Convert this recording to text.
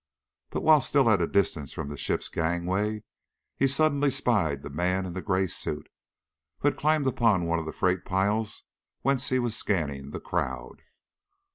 But while still at a distance from the ship's gangway, he suddenly spied the man in the gray suit, who had climbed upon one of the freight piles, whence he was scanning the crowd.